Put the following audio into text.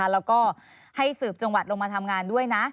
แล้วก็ให้สืบจังหวัดลงมาทำงานด้วยนะ